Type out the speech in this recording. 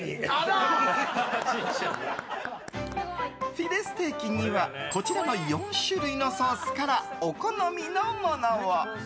フィレステーキにはこちらの４種類のソースからお好みのものを。